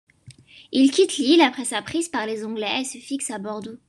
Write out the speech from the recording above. Il quitte l'île après sa prise par les Anglais et se fixe à Bordeaux.